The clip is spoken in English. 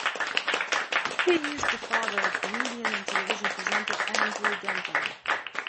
He is the father of comedian and television presenter Andrew Denton.